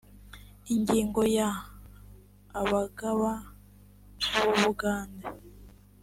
ingingo ya…: abagaba b’ubugande